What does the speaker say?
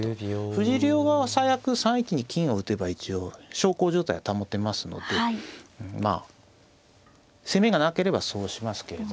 藤井竜王側は最悪３一に金を打てば一応小康状態は保てますのでまあ攻めがなければそうしますけれど。